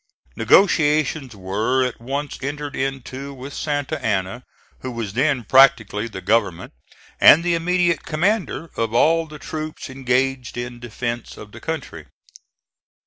Negotiations were at once entered into with Santa Anna, who was then practically THE GOVERNMENT and the immediate commander of all the troops engaged in defence of the country.